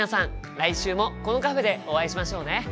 来週もこのカフェでお会いしましょうね。